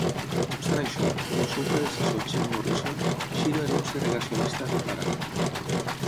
No obstant això, com el seu predecessor Chep Morrison, Schiro era un segregacionista declarat.